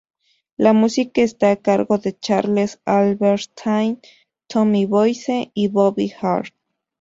La música está a cargo de Charles Albertine, Tommy Boyce y Bobby Hart.